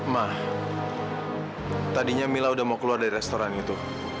mah tadinya mila udah mau keluar dari restoran itu